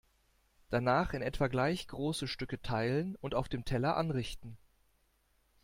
Danach in etwa gleich große Stücke teilen und auf dem Teller anrichten.